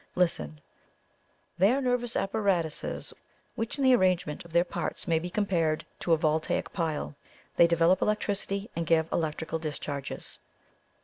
Listen: 'They are nervous apparatuses which in the arrangement of their parts may be compared to a Voltaic pile. They develop electricity and give electrical discharges.'"